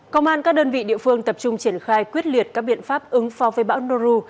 công an các đơn vị địa phương tập trung triển khai quyết liệt các biện pháp ứng phó với bão noru